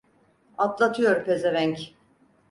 Atlatıyor pezevenk!